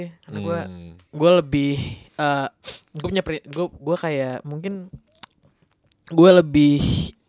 karena gue gue lebih gue kayak mungkin gue lebih